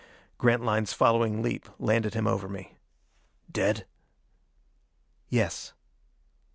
Grantline's following leap landed him over me. "Dead?" "Yes."